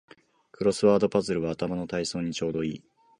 クロスワードパズルは頭の体操にちょうどいい